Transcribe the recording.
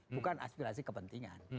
bukan aspirasi kepentingan